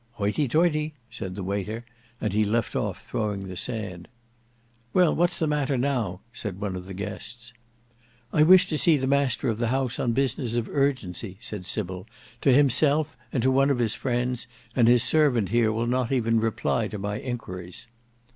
"Hoity toity," said the waiter, and he left off throwing the sand. "Well, what's the matter now?" said one of the guests. "I wish to see the master of the house on business of urgency," said Sybil, "to himself and to one of his friends, and his servant here will not even reply to my inquiries."